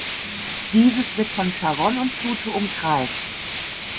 Dieses wird von Charon und von Pluto umkreist.